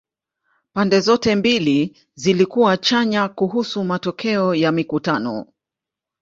Pande zote mbili zilikuwa chanya kuhusu matokeo ya mikutano.